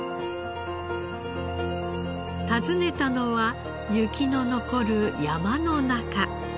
訪ねたのは雪の残る山の中。